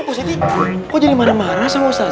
positi kok jadi marah marah sama ustadzah